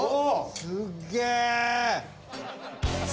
すっげえ！